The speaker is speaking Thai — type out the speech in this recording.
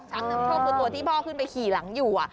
นำโชคคือตัวที่พ่อขึ้นไปขี่หลังอยู่